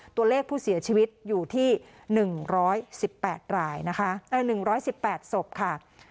ตัวเลขผู้เสียชีวิตอยู่ที่๑๑๘รายนะคะ๑๑๘ศพค่ะ